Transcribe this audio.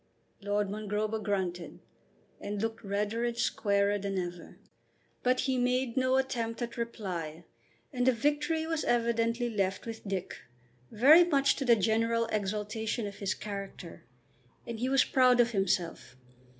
Lord Mongrober grunted and looked redder and squarer than ever; but he made no attempt at reply, and the victory was evidently left with Dick, very much to the general exaltation of his character. And he was proud of himself.